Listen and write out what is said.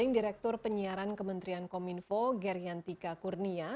di tahun dua ribu dua puluh dua